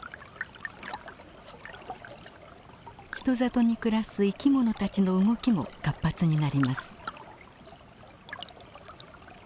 人里に暮らす生きものたちの動きも活発になります。